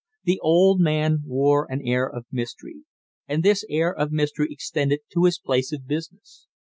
The old man wore an air of mystery, and this air of mystery extended to his place of business.